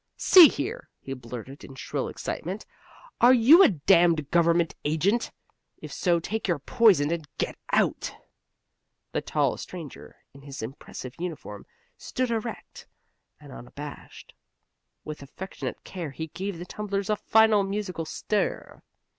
"See here!" he blurted with shrill excitement. "Are you a damned government agent? If so, take your poison and get out." The tall stranger in his impressive uniform stood erect and unabashed. With affectionate care he gave the tumblers a final musical stir.